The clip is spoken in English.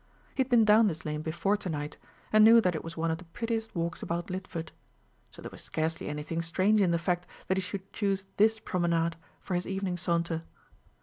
He had been down this lane before to night, and knew that it was one of the prettiest walks about Lidford; so there was scarcely anything strange in the fact that he should choose this promenade for his evening saunter.